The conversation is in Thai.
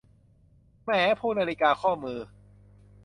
แหม พวกนาฬิกาข้อมือ